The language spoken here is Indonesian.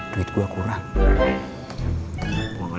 duit gua kurang